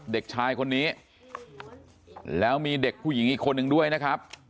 เด็กชายคนนี้แล้วมีเด็กผู้หญิงอีกคนนึงด้วยนะครับ